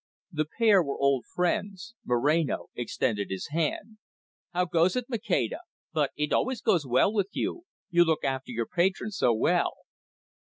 The pair were old friends. Moreno extended his hand. "How goes it, Maceda? But it always goes well with you. You look after your patrons so well."